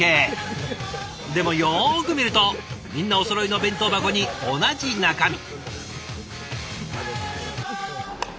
でもよく見るとみんなおそろいの弁当箱に同じ中身。